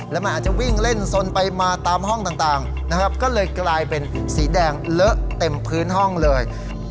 แล้วมันอาจจะวิ่งเล่นสนไปมาตามห้องต่างนะครับก็เลยกลายเป็นสีแดงเลอะเต็มพื้นห้องเลย